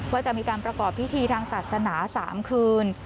ว่าจะมีการประกอบพิธีทางศาสนา๓คืน